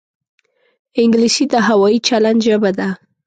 انګلیسي د هوايي چلند ژبه ده